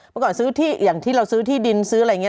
เมื่อก่อนซื้อที่อย่างที่เราซื้อที่ดินซื้ออะไรอย่างนี้